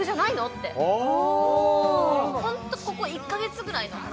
ってああホントここ１カ月ぐらいの話